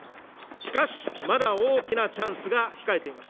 しかし、まだ大きなチャンスが控えています。